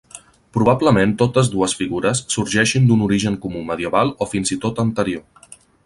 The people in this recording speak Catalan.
Probablement totes dues figures sorgeixin d'un origen comú medieval o fins i tot anterior.